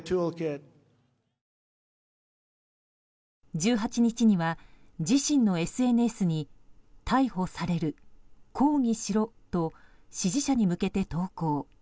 １８日には、自身のＳＮＳに逮捕される、抗議しろと支持者に向けて投稿。